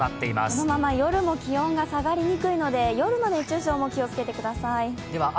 このまま夜も気温が下がりにくいので、夜の熱中症も気をつけてください。